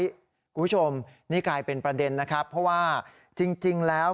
คุณผู้ชมนี่กลายเป็นประเด็นนะครับเพราะว่าจริงแล้ว